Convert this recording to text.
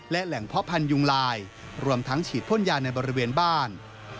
และแหล่งเพาะพันธุยุงลายรวมทั้งฉีดพ่นยาในบริเวณบ้าน